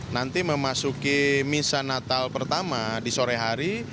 nanti memasuki misa natal pertama di sore hari